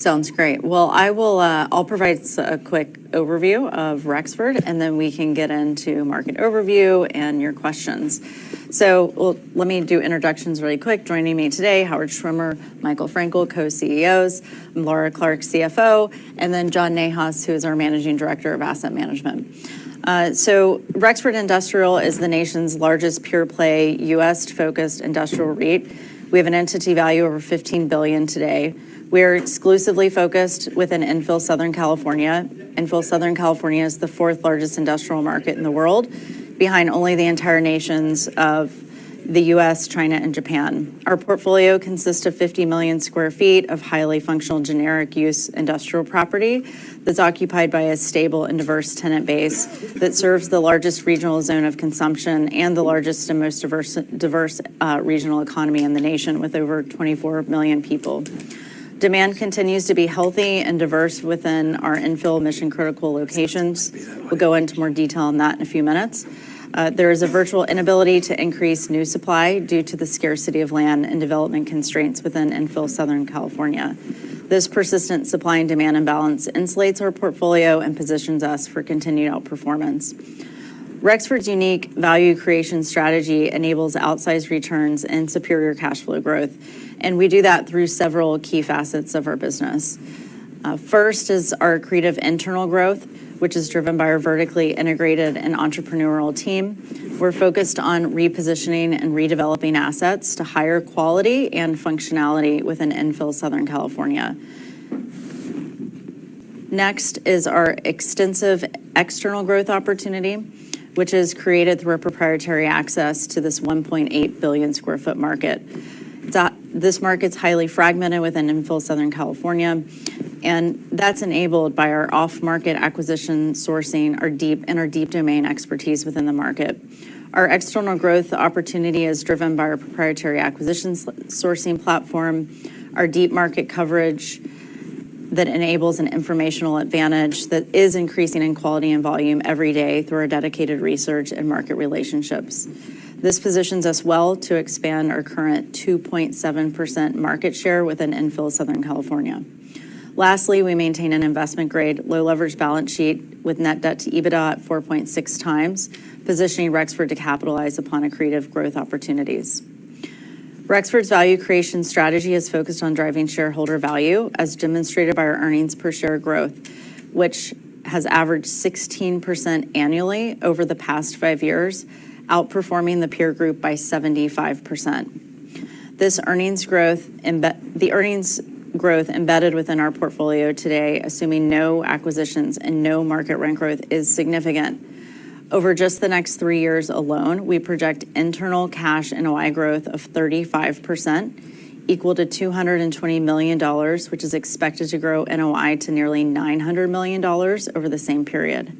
Sounds great. I will, I'll provide a quick overview of Rexford, and then we can get into market overview and your questions. Let me do introductions really quick. Joining me today, Howard Schwimmer, Michael Frankel, co-CEOs, and Laura Clark, CFO, and then John Nahas, who is our Managing Director of Asset Management. Rexford Industrial is the nation's largest pure-play, U.S.-focused industrial REIT. We have an entity value of over $15 billion today. We are exclusively focused within infill Southern California. Infill Southern California is the fourth largest industrial market in the world, behind only the entire nations of the U.S., China, and Japan. Our portfolio consists of 50 million sq ft of highly functional, generic use industrial property, that's occupied by a stable and diverse tenant base that serves the largest regional zone of consumption and the largest and most diverse regional economy in the nation, with over 24 million people. Demand continues to be healthy and diverse within our infill mission-critical locations. We'll go into more detail on that in a few minutes. There is a virtual inability to increase new supply due to the scarcity of land and development constraints within infill Southern California. This persistent supply and demand imbalance insulates our portfolio and positions us for continued outperformance. Rexford's unique value creation strategy enables outsized returns and superior cash flow growth, and we do that through several key facets of our business. First is our accretive internal growth, which is driven by our vertically integrated and entrepreneurial team. We're focused on repositioning and redeveloping assets to higher quality and functionality within infill Southern California. Next is our extensive external growth opportunity, which is created through our proprietary access to this 1.8 billion sq ft market. This market's highly fragmented within infill Southern California, and that's enabled by our off-market acquisition sourcing, our deep domain expertise within the market. Our external growth opportunity is driven by our proprietary acquisition sourcing platform, our deep market coverage that enables an informational advantage that is increasing in quality and volume every day through our dedicated research and market relationships. This positions us well to expand our current 2.7% market share within infill Southern California.. Lastly, we maintain an investment-grade, low-leverage balance sheet with net debt to EBITDA at 4.6 times, positioning Rexford to capitalize upon accretive growth opportunities. Rexford's value creation strategy is focused on driving shareholder value, as demonstrated by our earnings per share growth, which has averaged 16% annually over the past five years, outperforming the peer group by 75%. This earnings growth embedded within our portfolio today, assuming no acquisitions and no market rent growth, is significant. Over just the next three years alone, we project internal cash NOI growth of 35%, equal to $220 million, which is expected to grow NOI to nearly $900 million over the same period.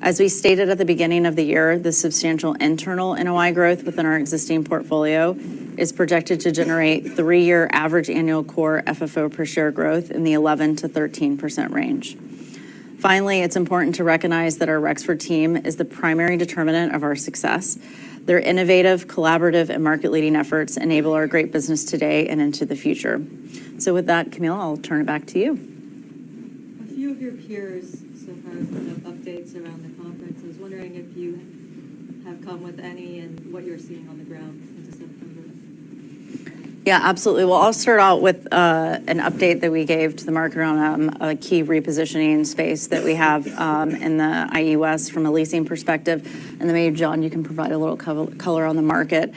As we stated at the beginning of the year, the substantial internal NOI growth within our existing portfolio is projected to generate three-year average annual Core FFO per share growth in the 11%-13% range. Finally, it's important to recognize that our Rexford team is the primary determinant of our success. Their innovative, collaborative, and market-leading efforts enable our great business today and into the future. So with that, Camille, I'll turn it back to you. A few of your peers so far have put up updates around the conference. I was wondering if you have come with any and what you're seeing on the ground in December? Yeah, absolutely. Well, I'll start out with an update that we gave to the market on a key repositioning space that we have in the IE West from a leasing perspective, and then maybe, John, you can provide a little color on the market.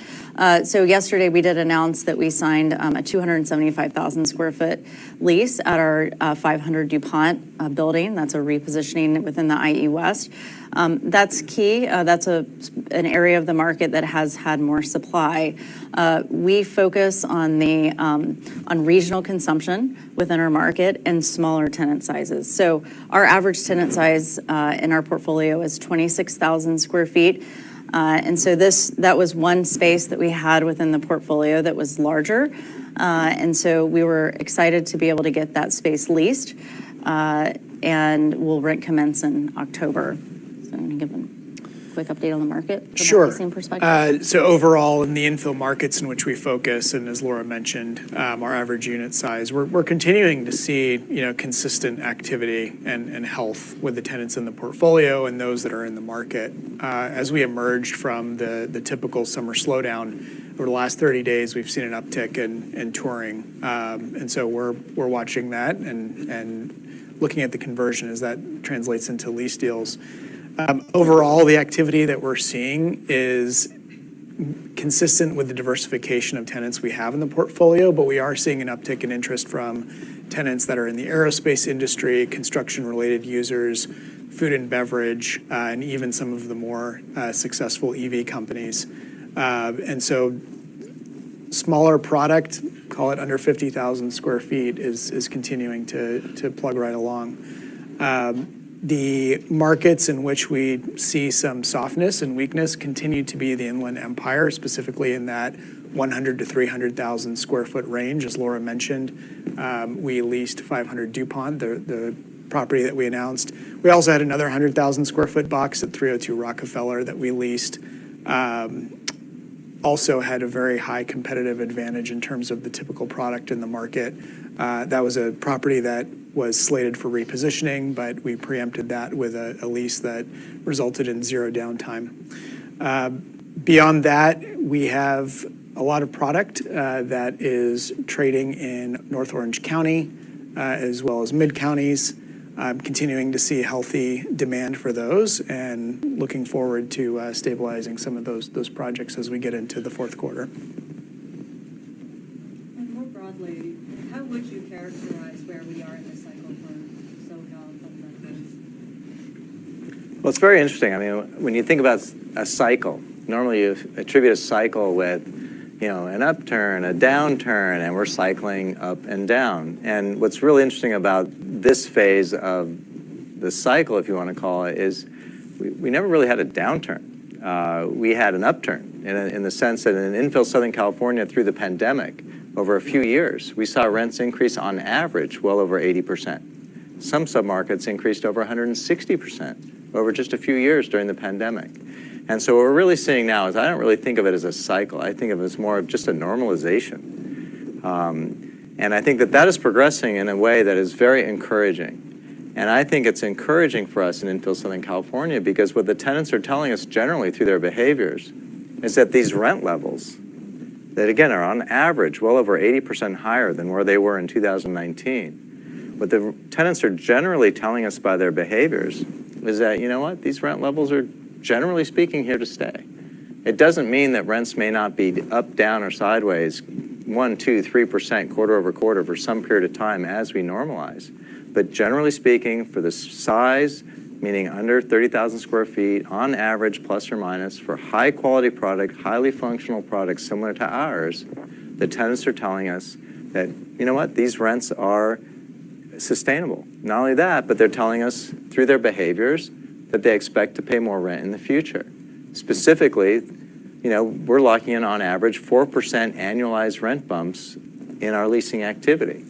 So yesterday, we did announce that we signed a 275,000 sq ft lease at our 500 Dupont building. That's a repositioning within the IE West. That's key. That's an area of the market that has had more supply. We focus on regional consumption within our market and smaller tenant sizes. So our average tenant size in our portfolio is 26,000 sq ft. And so this that was one space that we had within the portfolio that was larger. And so we were excited to be able to get that space leased, and rent will commence in October. So let me give a quick update on the market. Sure. From a leasing perspective. So overall, in the infill markets in which we focus, and as Laura mentioned, our average unit size, we're continuing to see, you know, consistent activity and health with the tenants in the portfolio and those that are in the market. As we emerged from the typical summer slowdown, over the last 30 days, we've seen an uptick in touring. And so we're watching that and looking at the conversion as that translates into lease deals. Overall, the activity that we're seeing is consistent with the diversification of tenants we have in the portfolio, but we are seeing an uptick in interest from tenants that are in the aerospace industry, construction-related users, food and beverage, and even some of the more successful EV companies. And so smaller product, call it under 50,000 sq ft, is continuing to plug right along. The markets in which we see some softness and weakness continue to be the Inland Empire, specifically in that 100-300,000 sq ft range. As Laura mentioned, we leased 500 Dupont, the property that we announced. We also had another 100,000 sq ft box at 302 Rockefeller that we leased. Um also had a very high competitive advantage in terms of the typical product in the market. That was a property that was slated for repositioning, but we preempted that with a lease that resulted in zero downtime. Beyond that, we have a lot of product that is trading in North Orange County, as well as Mid-Counties. I'm continuing to see healthy demand for those, and looking forward to stabilizing some of those projects as we get into the fourth quarter. More broadly, how would you characterize where we are in the cycle for Southern California? It's very interesting. I mean, when you think about a cycle, normally, you attribute a cycle with, you know, an upturn, a downturn, and we're cycling up and down. What's really interesting about this phase of the cycle, if you want to call it, is we never really had a downturn. We had an upturn in the sense that in infill Southern California through the pandemic, over a few years, we saw rents increase on average, well over 80%. Some submarkets increased over 160% over just a few years during the pandemic. What we're really seeing now is I don't really think of it as a cycle. I think of it as more of just a normalization. I think that that is progressing in a way that is very encouraging. I think it's encouraging for us in infill Southern California, because what the tenants are telling us generally through their behaviors is that these rent levels, that again, are on average, well over 80% higher than where they were in 2019. What the tenants are generally telling us by their behaviors is that, you know what? These rent levels are, generally speaking, here to stay. It doesn't mean that rents may not be up, down, or sideways, 1%, 2%, 3% quarter-over-quarter for some period of time as we normalize. But generally speaking, for the size, meaning under 30,000 sq ft, on average, plus or minus, for high-quality product, highly functional products similar to ours, the tenants are telling us that, "You know what? These rents are sustainable." Not only that, but they're telling us through their behaviors that they expect to pay more rent in the future. Specifically, you know, we're locking in, on average, 4% annualized rent bumps in our leasing activity,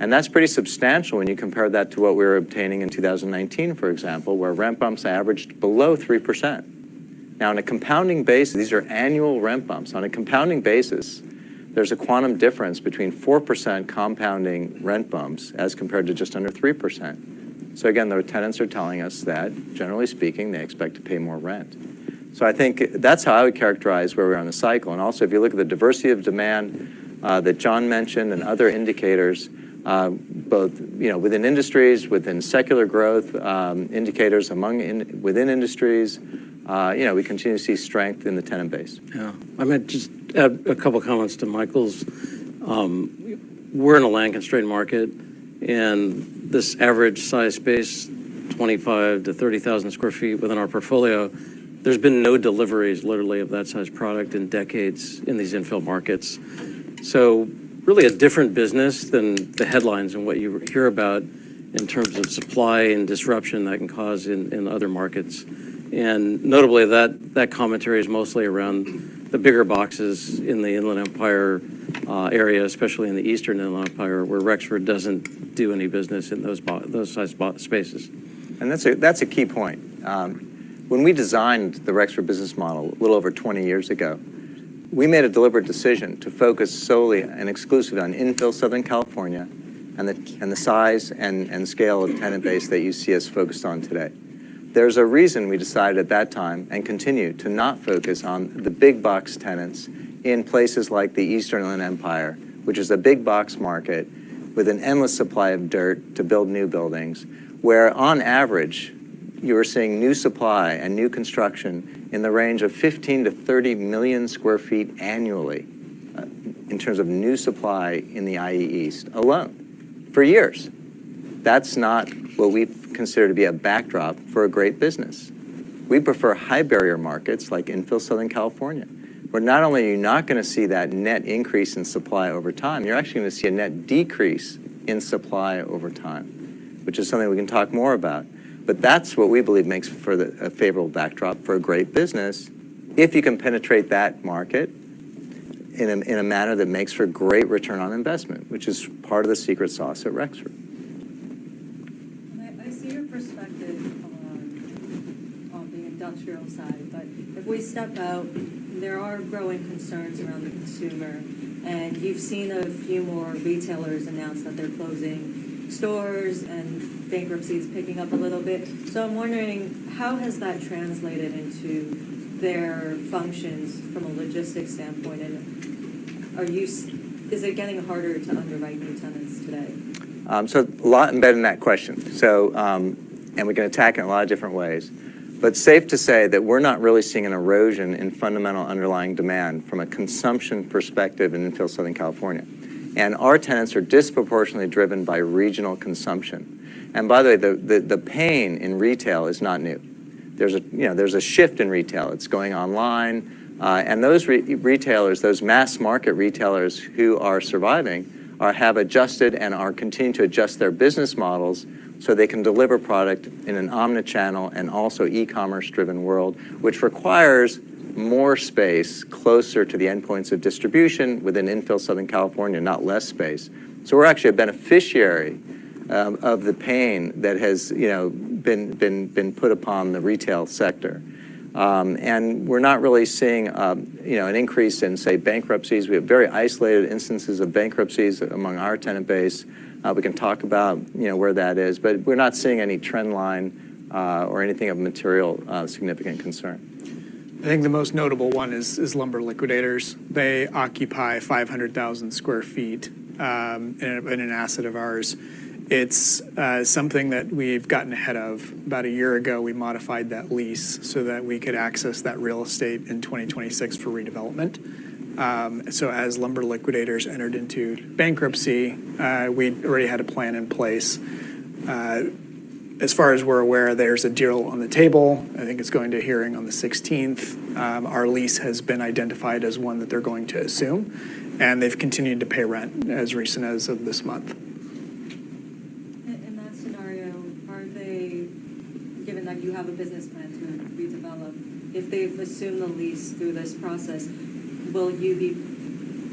and that's pretty substantial when you compare that to what we were obtaining in 2019, for example, where rent bumps averaged below 3%. Now, on a compounding basis, these are annual rent bumps. On a compounding basis, there's a quantum difference between 4% compounding rent bumps as compared to just under 3%. So again, the tenants are telling us that, generally speaking, they expect to pay more rent. So I think that's how I would characterize where we're on the cycle. And also, if you look at the diversity of demand that John mentioned and other indicators, both, you know, within industries, within secular growth indicators among within industries, you know, we continue to see strength in the tenant base. Yeah. I mean, just, a couple of comments to Michael's. We're in a land-constrained market, and this average size space, 25-30,000 sq ft within our portfolio, there's been no deliveries literally of that size product in decades in these infill markets. So really a different business than the headlines and what you hear about in terms of supply and disruption that can cause in other markets. And notably, that commentary is mostly around the bigger boxes in the Inland Empire area, especially in the Eastern Inland Empire, where Rexford doesn't do any business in those big box spaces. And that's a key point. When we designed the Rexford business model a little over twenty years ago, we made a deliberate decision to focus solely and exclusively on infill Southern California and the size and scale of tenant base that you see us focused on today. There's a reason we decided at that time, and continue to not focus on the big box tenants in places like the Eastern Inland Empire, which is a big box market with an endless supply of dirt to build new buildings, where on average, you are seeing new supply and new construction in the range of 15-30 million sq ft annually, in terms of new supply in the IE East alone, for years. That's not what we consider to be a backdrop for a great business. We prefer high-barrier markets like infill Southern California, where not only are you not gonna see that net increase in supply over time, you're actually gonna see a net decrease in supply over time, which is something we can talk more about. But that's what we believe makes for the... a favorable backdrop for a great business if you can penetrate that market in a manner that makes for great return on investment, which is part of the secret sauce at Rexford. I see your perspective on the industrial side, but if we step out, there are growing concerns around the consumer, and you've seen a few more retailers announce that they're closing stores and bankruptcies picking up a little bit. So I'm wondering, how has that translated into their functions from a logistics standpoint, and is it getting harder to underwrite new tenants today? So a lot embedded in that question. So, and we can attack it in a lot of different ways. But safe to say that we're not really seeing an erosion in fundamental underlying demand from a consumption perspective in infill Southern California. And our tenants are disproportionately driven by regional consumption. And by the way, the pain in retail is not new. You know, there's a shift in retail. It's going online, and those retailers, those mass-market retailers who are surviving, have adjusted and are continuing to adjust their business models so they can deliver product in an omni-channel and also e-commerce-driven world, which requires more space closer to the endpoints of distribution within infill Southern California, not less space. So we're actually a beneficiary of the pain that has, you know, been put upon the retail sector. And we're not really seeing, you know, an increase in, say, bankruptcies. We have very isolated instances of bankruptcies among our tenant base. We can talk about, you know, where that is, but we're not seeing any trend line, or anything of material, significant concern.... I think the most notable one is Lumber Liquidators. They occupy 500,000 sq ft in an asset of ours. It's something that we've gotten ahead of. About a year ago, we modified that lease so that we could access that real estate in 2026 for redevelopment. So as Lumber Liquidators entered into bankruptcy, we'd already had a plan in place. As far as we're aware, there's a deal on the table. I think it's going to hearing on the sixteenth. Our lease has been identified as one that they're going to assume, and they've continued to pay rent as recent as of this month. In that scenario, are they, given that you have a business plan to redevelop, if they assume the lease through this process, will you be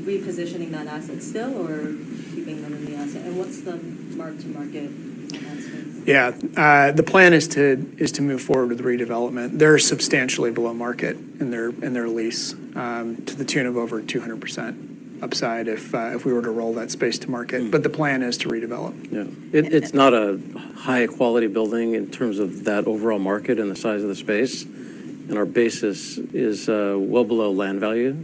repositioning that asset still or keeping them in the asset? And what's the mark-to-market on that space? Yeah, the plan is to move forward with the redevelopment. They're substantially below market in their lease, to the tune of over 200% upside if we were to roll that space to market. Mm. But the plan is to redevelop. Yeah. And- It's not a high-quality building in terms of that overall market and the size of the space, and our base is well below land value.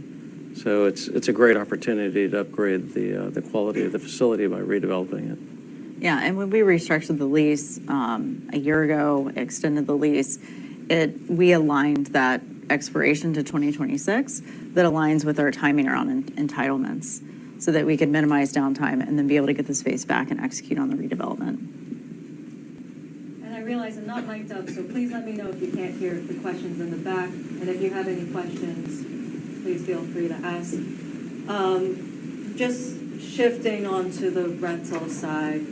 So it's a great opportunity to upgrade the quality of the facility by redeveloping it. Yeah, and when we restructured the lease a year ago, extended the lease, we aligned that expiration to 2026. That aligns with our timing around entitlements, so that we could minimize downtime and then be able to get the space back and execute on the redevelopment. I realize I'm not miked up, so please let me know if you can't hear the questions in the back. If you have any questions, please feel free to ask. Just shifting on to the rental side,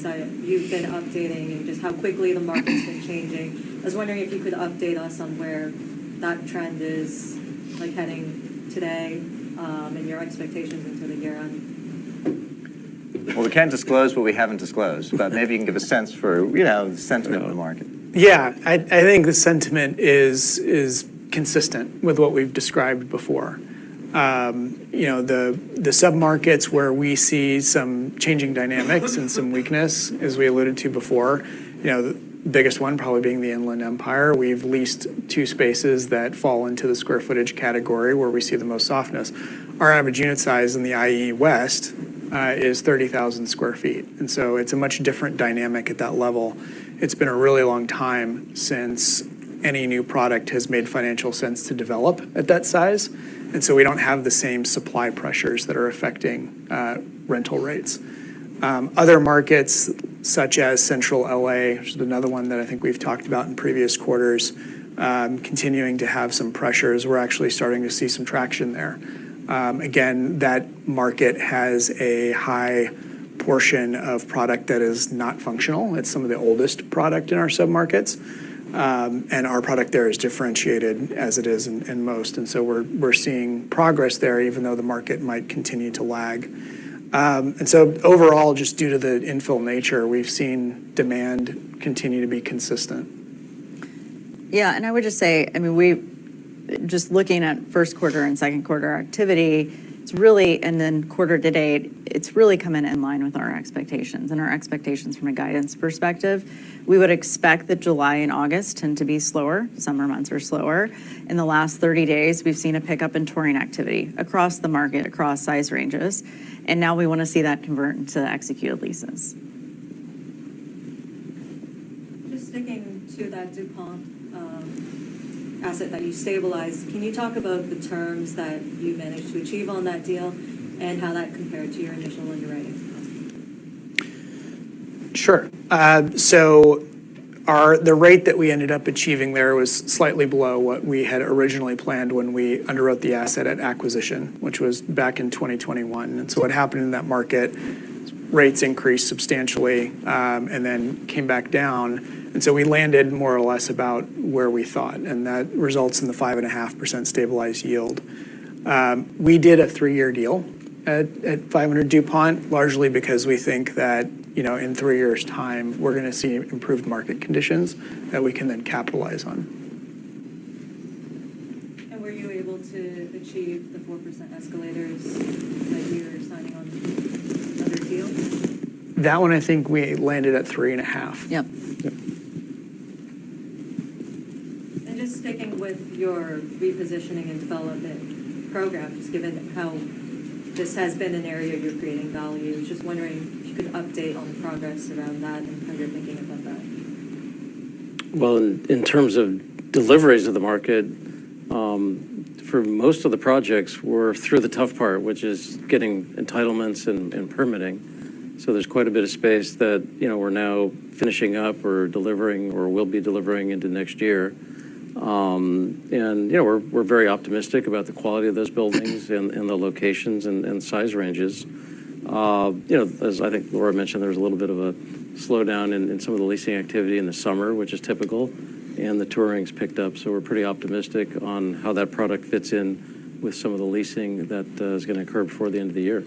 so you've been updating us on just how quickly the market's been changing. I was wondering if you could update us on where that trend is, like, heading today, and your expectations into the year end. We can't disclose what we haven't disclosed -- but maybe you can give a sense for, you know, the sentiment of the market. Yeah. I think the sentiment is consistent with what we've described before. You know, the submarkets where we see some changing dynamics and some weakness, as we alluded to before, you know, the biggest one probably being the Inland Empire. We've leased two spaces that fall into the square footage category, where we see the most softness. Our average unit size in the IE West is 30,000 sq ft, and so it's a much different dynamic at that level. It's been a really long time since any new product has made financial sense to develop at that size, and so we don't have the same supply pressures that are affecting rental rates. Other markets, such as Central LA, which is another one that I think we've talked about in previous quarters, continuing to have some pressures. We're actually starting to see some traction there. Again, that market has a high portion of product that is not functional. It's some of the oldest product in our submarkets. And our product there is differentiated as it is in most, and so we're seeing progress there, even though the market might continue to lag. And so overall, just due to the infill nature, we've seen demand continue to be consistent. Yeah, and I would just say, I mean, we just looking at first quarter and second quarter activity, it's really, and then quarter to date, it's really come in in line with our expectations, and our expectations from a guidance perspective, we would expect that July and August tend to be slower. Summer months are slower. In the last thirty days, we've seen a pickup in touring activity across the market, across size ranges, and now we want to see that convert into executed leases. Just sticking to that Dupont asset that you stabilized, can you talk about the terms that you managed to achieve on that deal and how that compared to your initial underwriting? Sure. So our the rate that we ended up achieving there was slightly below what we had originally planned when we underwrote the asset at acquisition, which was back in 2021. And so what happened in that market, rates increased substantially, and then came back down. And so we landed more or less about where we thought, and that results in the 5.5% stabilized yield. We did a three-year deal at 500 Dupont, largely because we think that, you know, in three years' time, we're gonna see improved market conditions that we can then capitalize on. Were you able to achieve the 4% escalators that you were signing on the other deal? That one, I think we landed at three and a half. Yep. Just sticking with your repositioning and development program, just given how this has been an area you're creating value, just wondering if you could update on the progress around that and how you're thinking about that? In terms of deliveries to the market, for most of the projects, we're through the tough part, which is getting entitlements and permitting. There's quite a bit of space that, you know, we're now finishing up or delivering, or will be delivering into next year. You know, we're very optimistic about the quality of those buildings and the locations and size ranges. You know, as I think Laura mentioned, there's a little bit of a slowdown in some of the leasing activity in the summer, which is typical, and the touring's picked up. We're pretty optimistic on how that product fits in with some of the leasing that is gonna occur before the end of the year.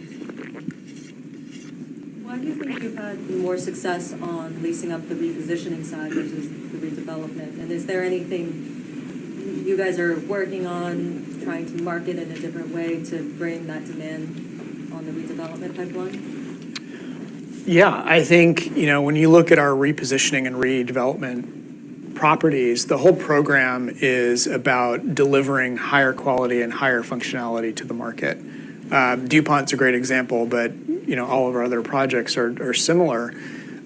Why do you think you've had more success on leasing up the repositioning side versus the redevelopment? And is there anything you guys are working on, trying to market in a different way to bring that demand on the redevelopment pipeline?... Yeah, I think, you know, when you look at our repositioning and redevelopment properties, the whole program is about delivering higher quality and higher functionality to the market. Dupont's a great example, but, you know, all of our other projects are similar.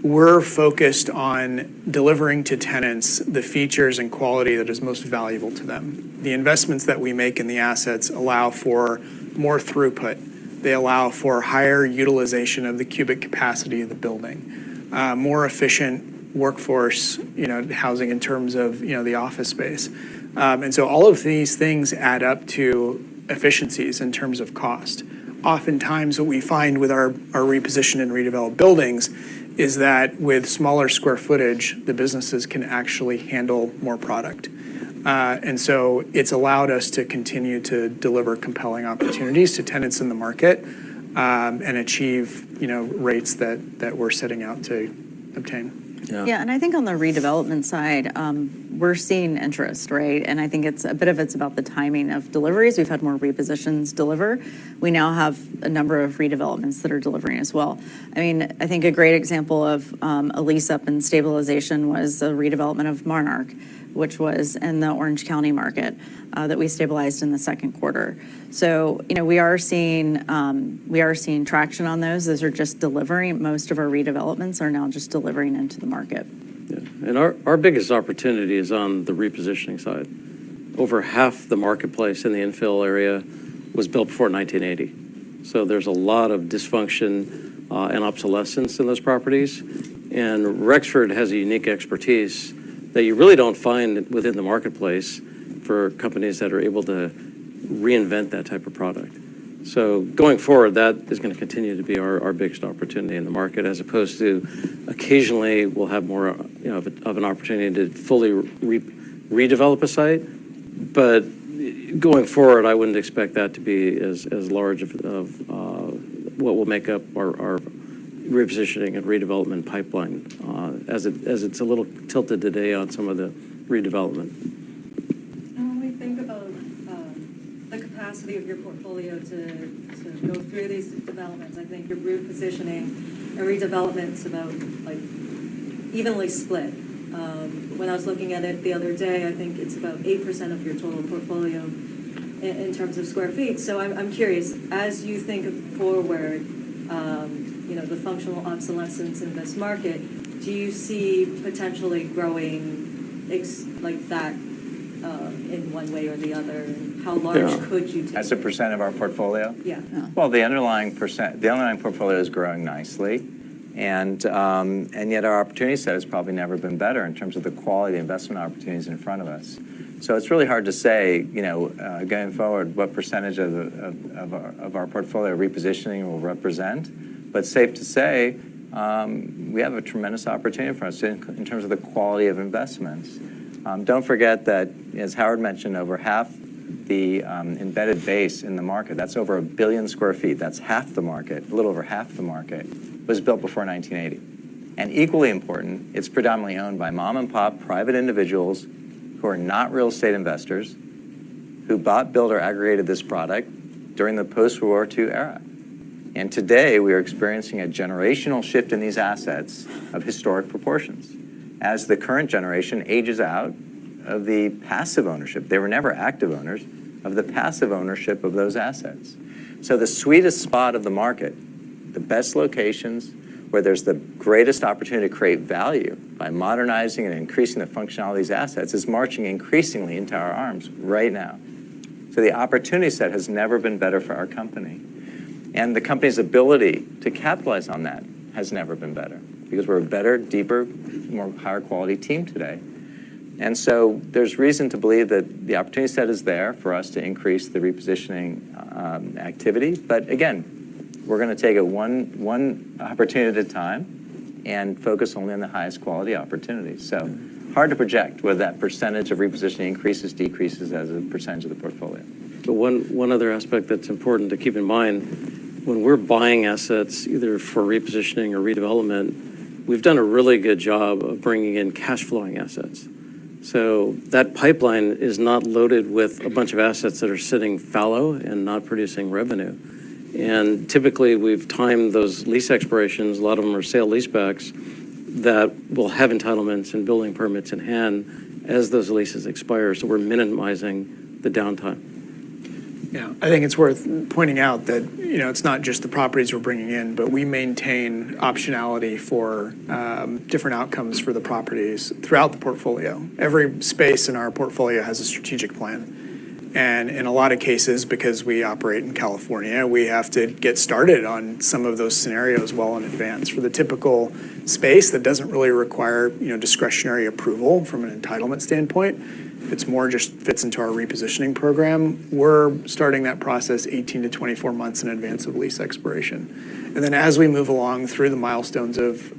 We're focused on delivering to tenants the features and quality that is most valuable to them. The investments that we make in the assets allow for more throughput. They allow for higher utilization of the cubic capacity of the building, more efficient workforce, you know, housing in terms of, you know, the office space. And so all of these things add up to efficiencies in terms of cost. Oftentimes, what we find with our repositioned and redeveloped buildings is that with smaller square footage, the businesses can actually handle more product. And so it's allowed us to continue to deliver compelling opportunities to tenants in the market, and achieve, you know, rates that we're setting out to obtain. Yeah. Yeah, and I think on the redevelopment side, we're seeing interest, right? And I think it's a bit of it that's about the timing of deliveries. We've had more repositions deliver. We now have a number of redevelopments that are delivering as well. I mean, I think a great example of a lease-up and stabilization was the redevelopment of Monarch, which was in the Orange County market, that we stabilized in the second quarter. So, you know, we are seeing traction on those. Those are just delivering. Most of our redevelopments are now just delivering into the market. Yeah. And our biggest opportunity is on the repositioning side. Over half the marketplace in the infill area was built before 1980, so there's a lot of dysfunction and obsolescence in those properties. And Rexford has a unique expertise that you really don't find within the marketplace for companies that are able to reinvent that type of product. So going forward, that is gonna continue to be our biggest opportunity in the market, as opposed to occasionally we'll have more of, you know, of an opportunity to fully redevelop a site. But going forward, I wouldn't expect that to be as large of what will make up our repositioning and redevelopment pipeline, as it's a little tilted today on some of the redevelopment. And when we think about the capacity of your portfolio to go through these developments, I think your repositioning and redevelopment's about, like, evenly split. When I was looking at it the other day, I think it's about 8% of your total portfolio in terms of sq ft. So I'm curious, as you think forward, you know, the functional obsolescence in this market, do you see potentially growing like that in one way or the other? How large could you take it? As a percentage of our portfolio? Yeah. The underlying portfolio is growing nicely, and yet our opportunity set has probably never been better in terms of the quality investment opportunities in front of us. It's really hard to say, you know, going forward, what percentage of our portfolio repositioning will represent. But safe to say, we have a tremendous opportunity in front of us in terms of the quality of investments. Don't forget that, as Howard mentioned, over half the embedded base in the market, that's over a billion sq ft, that's half the market, a little over half the market, was built before 1980. Equally important, it's predominantly owned by mom-and-pop private individuals who are not real estate investors, who bought, built, or aggregated this product during the post-World War II era. Today, we are experiencing a generational shift in these assets of historic proportions as the current generation ages out of the passive ownership, they were never active owners, of the passive ownership of those assets. The sweetest spot of the market, the best locations where there's the greatest opportunity to create value by modernizing and increasing the functionality of these assets, is marching increasingly into our arms right now. The opportunity set has never been better for our company, and the company's ability to capitalize on that has never been better because we're a better, deeper, more higher quality team today. There's reason to believe that the opportunity set is there for us to increase the repositioning activity. Again, we're gonna take it one opportunity at a time and focus only on the highest quality opportunities. So hard to project whether that percentage of repositioning increases, decreases as a percentage of the portfolio. But one other aspect that's important to keep in mind, when we're buying assets, either for repositioning or redevelopment, we've done a really good job of bringing in cash flowing assets. So that pipeline is not loaded with a bunch of assets that are sitting fallow and not producing revenue. And typically, we've timed those lease expirations, a lot of them are sale-leasebacks, that will have entitlements and building permits in hand as those leases expire, so we're minimizing the downtime. Yeah. I think it's worth pointing out that, you know, it's not just the properties we're bringing in, but we maintain optionality for different outcomes for the properties throughout the portfolio. Every space in our portfolio has a strategic plan, and in a lot of cases, because we operate in California, we have to get started on some of those scenarios well in advance. For the typical space that doesn't really require, you know, discretionary approval from an entitlement standpoint, it's more just fits into our repositioning program. We're starting that process 18-24 months in advance of lease expiration. And then, as we move along through the milestones of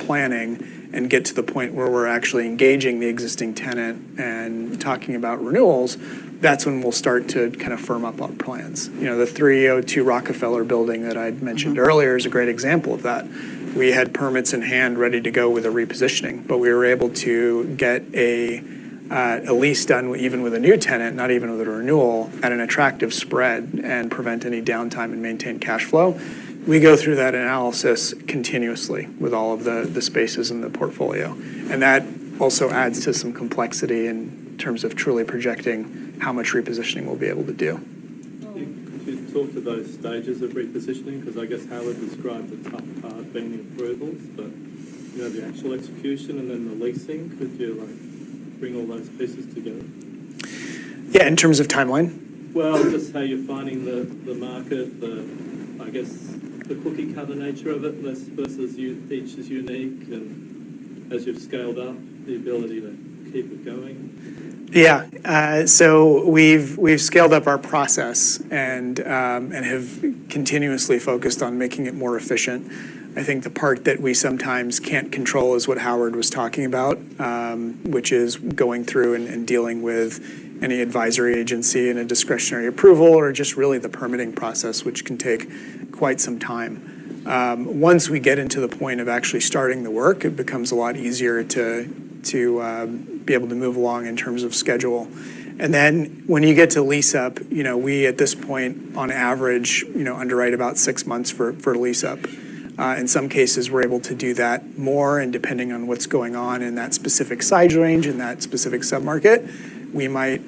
planning and get to the point where we're actually engaging the existing tenant and talking about renewals, that's when we'll start to kind of firm up on plans. You know, the 302 Rockefeller building that I'd mentioned earlier is a great example of that. We had permits in hand ready to go with a repositioning, but we were able to get a lease done even with a new tenant, not even with a renewal, at an attractive spread and prevent any downtime and maintain cash flow. We go through that analysis continuously with all of the spaces in the portfolio, and that also adds to some complexity in terms of truly projecting how much repositioning we'll be able to do.... Could you talk to those stages of repositioning? Because I guess Howard described the tough part being the approvals, but, you know, the actual execution and then the leasing, could you, like, bring all those pieces together? Yeah, in terms of timeline? Just how you're finding the market, I guess, the cookie cutter nature of it, less versus you each is unique, and as you've scaled up, the ability to keep it going? Yeah. So we've scaled up our process and have continuously focused on making it more efficient. I think the part that we sometimes can't control is what Howard was talking about, which is going through and dealing with any advisory agency and a discretionary approval, or just really the permitting process, which can take quite some time. Once we get into the point of actually starting the work, it becomes a lot easier to be able to move along in terms of schedule. And then, when you get to lease-up, you know, we, at this point, on average, you know, underwrite about six months for lease-up. In some cases, we're able to do that more, and depending on what's going on in that specific size range, in that specific submarket, we might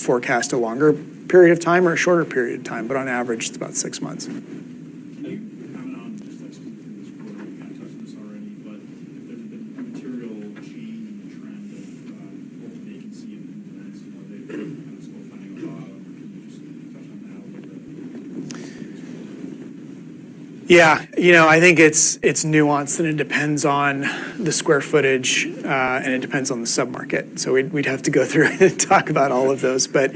forecast a longer period of time or a shorter period of time, but on average, it's about six months. Can you comment on, just like, speaking through this quarter, you kind of touched on this already, but if there's been a material change in the trend of both vacancy and rents and what they kind of still finding a bottom. Can you just touch on that a little bit? Yeah. You know, I think it's nuanced, and it depends on the square footage, and it depends on the submarket. So we'd have to go through and talk about all of those. But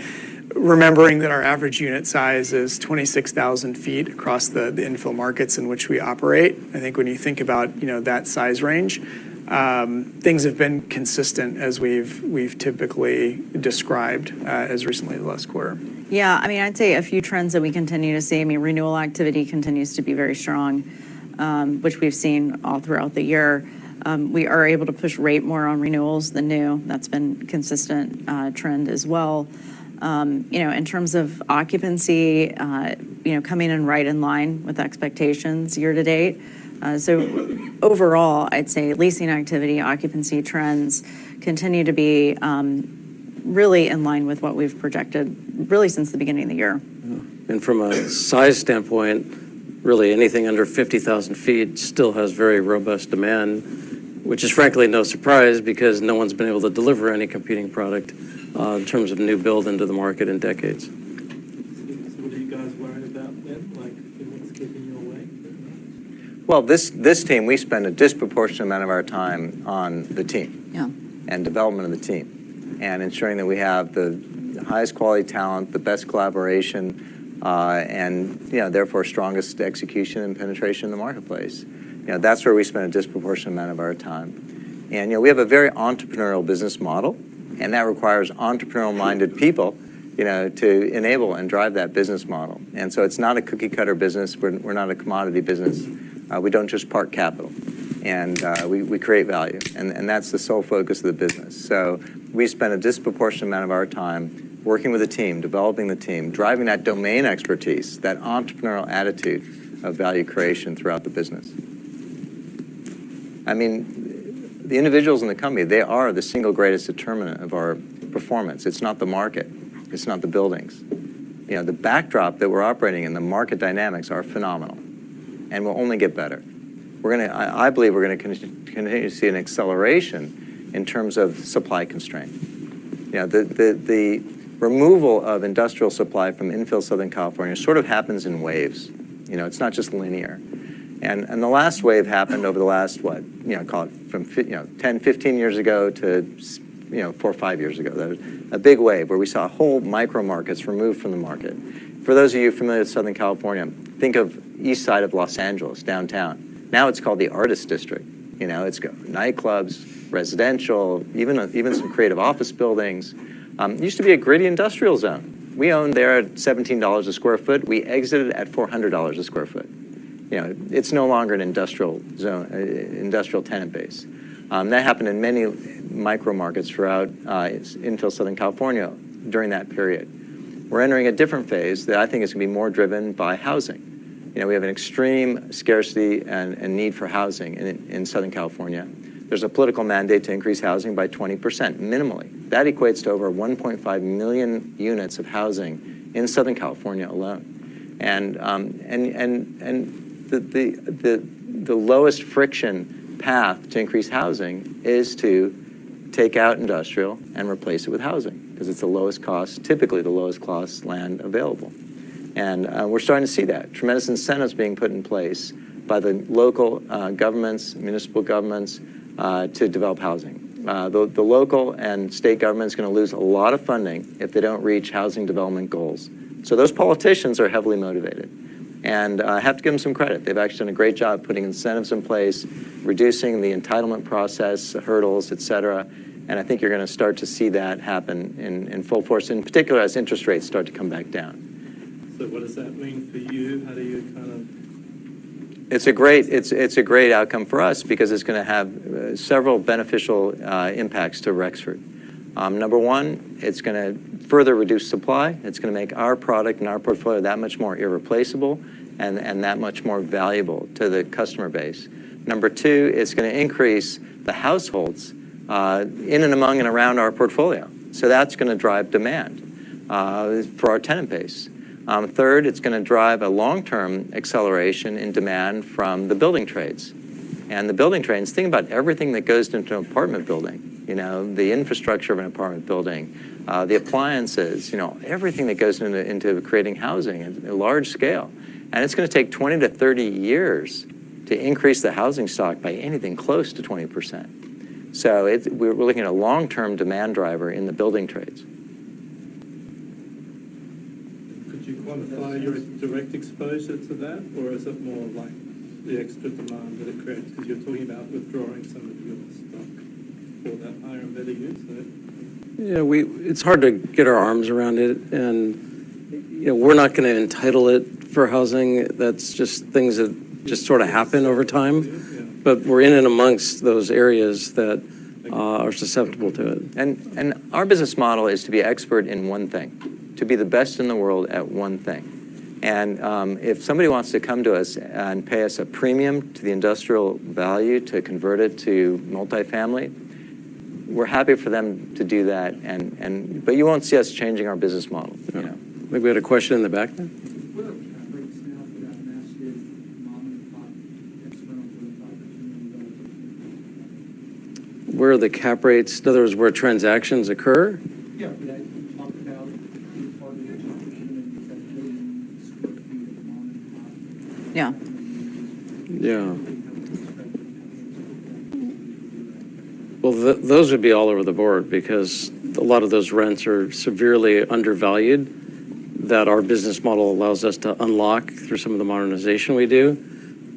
remembering that our average unit size is 26,000 sq ft across the infill markets in which we operate, I think when you think about, you know, that size range, things have been consistent as we've typically described, as recently as last quarter. Yeah, I mean, I'd say a few trends that we continue to see. I mean, renewal activity continues to be very strong, which we've seen all throughout the year. We are able to push rate more on renewals than new. That's been a consistent trend as well. You know, in terms of occupancy, you know, coming in right in line with expectations year to date. So overall, I'd say leasing activity, occupancy trends continue to be really in line with what we've projected, really since the beginning of the year. Mm-hmm. And from a size standpoint, really anything under 50,000 sq ft still has very robust demand, which is frankly no surprise because no one's been able to deliver any competing product in terms of new build into the market in decades. So are you guys worried about it? Like, is it keeping you awake at night? This team, we spend a disproportionate amount of our time on the team- Yeah... and development of the team, and ensuring that we have the highest quality talent, the best collaboration, and, you know, therefore, strongest execution and penetration in the marketplace. You know, that's where we spend a disproportionate amount of our time. And, you know, we have a very entrepreneurial business model, and that requires entrepreneurial-minded people, you know, to enable and drive that business model. And so it's not a cookie-cutter business. We're not a commodity business. We don't just park capital, and we create value, and that's the sole focus of the business. So we spend a disproportionate amount of our time working with the team, developing the team, driving that domain expertise, that entrepreneurial attitude of value creation throughout the business. I mean, the individuals in the company, they are the single greatest determinant of our performance. It's not the market. It's not the buildings. You know, the backdrop that we're operating in, the market dynamics are phenomenal and will only get better. We're gonna. I believe we're gonna continue to see an acceleration in terms of supply constraint. You know, the removal of industrial supply from infill Southern California sort of happens in waves. You know, it's not just linear. And the last wave happened over the last, what? You know, call it from 10, 15 years ago to 4, 5 years ago. There was a big wave where we saw whole micro markets removed from the market. For those of you familiar with Southern California, think of east side of Los Angeles, downtown. Now, it's called the Arts District. You know, it's got nightclubs, residential, even some creative office buildings. It used to be a gritty industrial zone. We owned there at $17 a sq ft. We exited at $400 a sq ft. You know, it's no longer an industrial zone, industrial tenant base. That happened in many micro markets throughout infill Southern California during that period. We're entering a different phase that I think is gonna be more driven by housing. You know, we have an extreme scarcity and need for housing in Southern California. There's a political mandate to increase housing by 20%, minimally. That equates to over 1.5 million units of housing in Southern California alone. And the lowest friction path to increase housing is to take out industrial and replace it with housing, 'cause it's the lowest cost, typically the lowest cost land available. And, we're starting to see that. Tremendous incentives being put in place by the local, governments, municipal governments, to develop housing. The local and state government is gonna lose a lot of funding if they don't reach housing development goals. So those politicians are heavily motivated. And, I have to give them some credit. They've actually done a great job putting incentives in place, reducing the entitlement process, hurdles, et cetera, and I think you're gonna start to see that happen in full force, and in particular, as interest rates start to come back down. So what does that mean for you? How do you kind of- It's a great outcome for us because it's gonna have several beneficial impacts to Rexford. Number one, it's gonna further reduce supply. It's gonna make our product and our portfolio that much more irreplaceable and that much more valuable to the customer base. Number two, it's gonna increase the households in and among and around our portfolio, so that's gonna drive demand for our tenant base. Third, it's gonna drive a long-term acceleration in demand from the building trades. And the building trades, think about everything that goes into an apartment building, you know, the infrastructure of an apartment building, the appliances, you know, everything that goes into creating housing in a large scale. And it's gonna take twenty to thirty years to increase the housing stock by anything close to 20%. It's. We're looking at a long-term demand driver in the building trades. Could you quantify your direct exposure to that? Or is it more like the extra demand that it creates? Because you're talking about withdrawing some of your stock for that higher embedding use, so. Yeah, it's hard to get our arms around it, and, you know, we're not gonna entitle it for housing. That's just things that just sort of happen over time. Yeah. But we're in and amongst those areas that are susceptible to it. Our business model is to be expert in one thing, to be the best in the world at one thing. If somebody wants to come to us and pay us a premium to the industrial value to convert it to multifamily, we're happy for them to do that, but you won't see us changing our business model. Yeah. I think we had a question in the back there. What are cap rates now for that massive modern portfolio external growth opportunity relative to...? Where are the cap rates? In other words, where transactions occur? Yeah. Yeah. Those would be all over the board because a lot of those rents are severely undervalued, that our business model allows us to unlock through some of the modernization we do.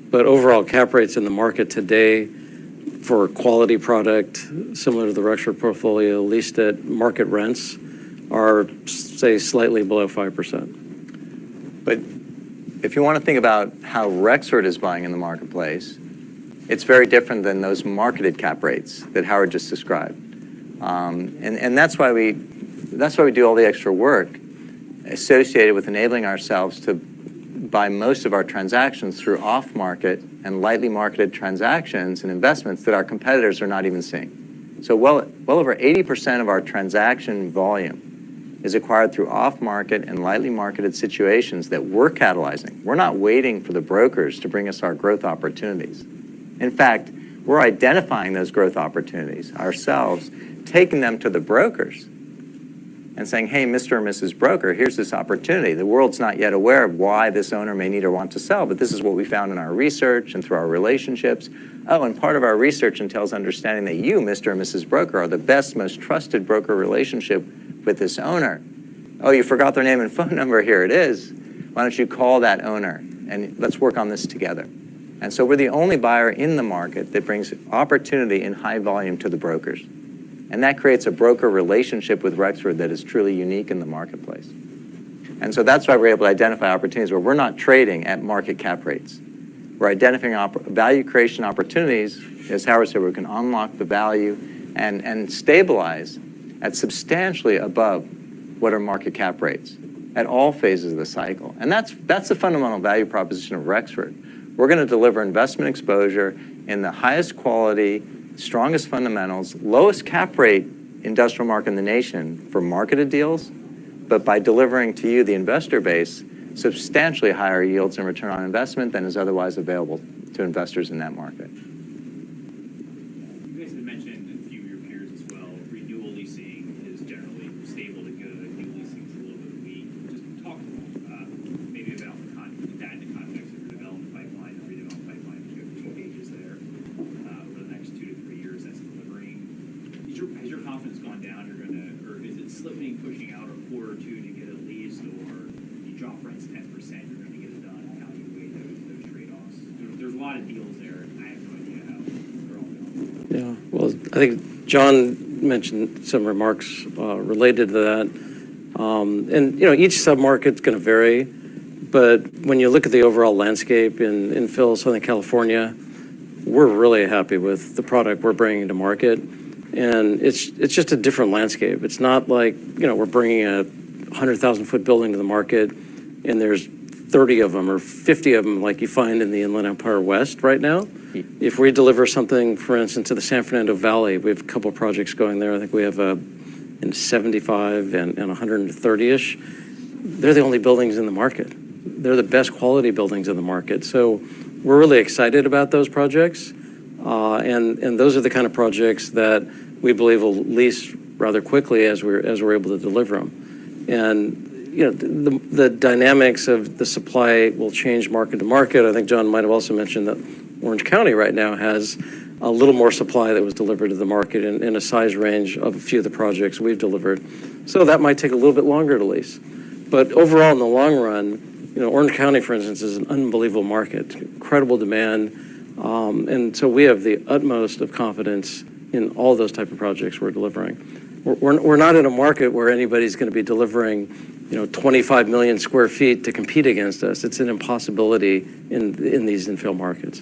But overall, cap rates in the market today for a quality product similar to the Rexford portfolio, leased at market rents, are, say, slightly below 5%. But if you want to think about how Rexford is buying in the marketplace, it's very different than those marketed cap rates that Howard just described. And that's why we do all the extra work associated with enabling ourselves to buy most of our transactions through off-market and lightly marketed transactions and investments that our competitors are not even seeing. So well over 80% of our transaction volume is acquired through off-market and lightly marketed situations that we're catalyzing. We're not waiting for the brokers to bring us our growth opportunities. In fact, we're identifying those growth opportunities ourselves, taking them to the brokers and saying, "Hey, Mr. or Mrs. Broker, here's this opportunity. The world's not yet aware of why this owner may need or want to sell, but this is what we found in our research and through our relationships. “Oh, and part of our research entails understanding that you, Mr. and Mrs. Broker, are the best, most trusted broker relationship with this owner. Oh, you forgot their name and phone number? Here it is. Why don't you call that owner, and let's work on this together.” And so we're the only buyer in the market that brings opportunity and high volume to the brokers. And that creates a broker relationship with Rexford that is truly unique in the marketplace. And so that's why we're able to identify opportunities, where we're not trading at market cap rates. We're identifying value creation opportunities. As Howard said, we can unlock the value and stabilize at substantially above what are market cap rates at all phases of the cycle. And that's the fundamental value proposition of Rexford. We're gonna deliver investment exposure in the highest quality, strongest fundamentals, lowest cap rate industrial market in the nation for marketed deals, but by delivering to you, the investor base, substantially higher yields and return on investment than is otherwise available to investors in that market. 30 of them or 50 of them, like you find in the Inland Empire West right now. Mm. If we deliver something, for instance, to the San Fernando Valley, we have a couple projects going there. I think we have in 75 and a hundred and 130-ish. They're the only buildings in the market. They're the best quality buildings in the market. So we're really excited about those projects. And those are the kind of projects that we believe will lease rather quickly as we're able to deliver them. And, you know, the dynamics of the supply will change market to market. I think John might have also mentioned that Orange County right now has a little more supply that was delivered to the market in a size range of a few of the projects we've delivered. So that might take a little bit longer to lease. But overall, in the long run, you know, Orange County, for instance, is an unbelievable market, incredible demand. And so we have the utmost of confidence in all those type of projects we're delivering. We're not in a market where anybody's gonna be delivering, you know, 25 million sq ft to compete against us. It's an impossibility in these infill markets.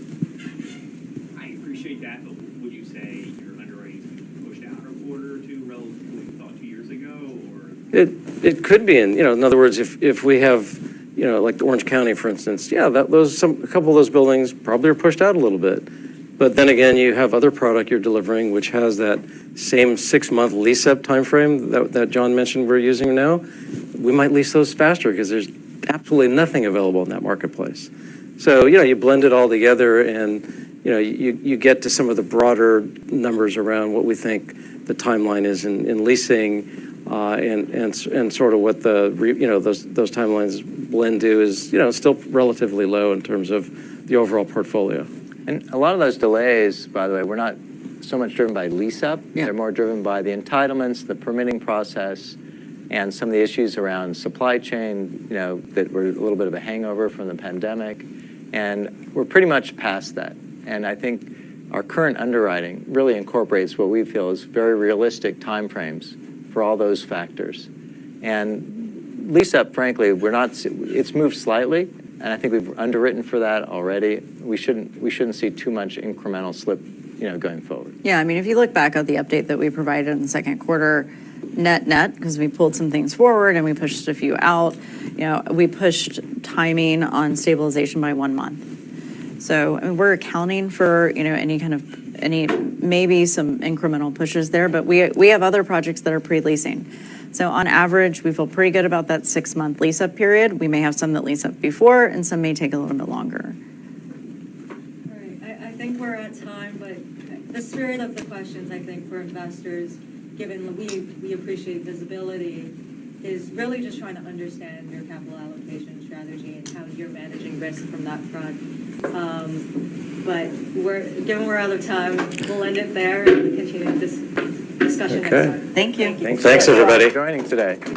I appreciate that, but would you say you're underwriting pushed out a quarter or two relative to what you thought two years ago, or? You know, in other words, if we have, you know, like the Orange County, for instance, yeah, those, some, a couple of those buildings probably are pushed out a little bit. But then again, you have other product you're delivering, which has that same six-month lease-up timeframe that John mentioned we're using now. We might lease those faster 'cause there's absolutely nothing available in that marketplace. So yeah, you blend it all together and, you know, you get to some of the broader numbers around what we think the timeline is in leasing, and sort of what those timelines blend to is, you know, still relatively low in terms of the overall portfolio. A lot of those delays, by the way, were not so much driven by lease-up. Yeah... They're more driven by the entitlements, the permitting process, and some of the issues around supply chain, you know, that were a little bit of a hangover from the pandemic, and we're pretty much past that, and I think our current underwriting really incorporates what we feel is very realistic timeframes for all those factors, and lease-up, frankly, we're not, it's moved slightly, and I think we've underwritten for that already. We shouldn't see too much incremental slip, you know, going forward. Yeah, I mean, if you look back at the update that we provided in the second quarter, net net, 'cause we pulled some things forward, and we pushed a few out, you know, we pushed timing on stabilization by one month. So, and we're accounting for, you know, any maybe some incremental pushes there, but we, we have other projects that are pre-leasing. So on average, we feel pretty good about that six-month lease-up period. We may have some that lease up before, and some may take a little bit longer. All right. I think we're out of time, but the spirit of the questions, I think, for investors, given that we appreciate visibility, is really just trying to understand your capital allocation strategy and how you're managing risk from that front. But given we're out of time, we'll end it there and continue this discussion next time. Okay. Thank you. Thanks, everybody. For joining today.